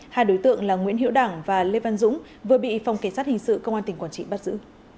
hai đối tượng là nguyễn hiệu đảng và lê văn dũng vừa bị phòng kỳ sát hình sự công an tỉnh quảng trị bắt giữ